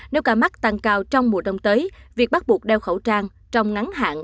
nếu cả mắt tăng cao trong mùa đông tới việc bắt buộc đeo khẩu trang trong ngắn hạn